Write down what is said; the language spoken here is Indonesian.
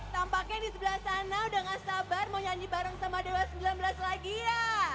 tampaknya di sebelah sana udah gak sabar mau nyanyi bareng sama dewa sembilan belas lagi ya